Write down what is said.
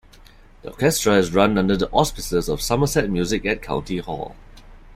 The orchestra is run under the auspices of Somerset Music at County Hall.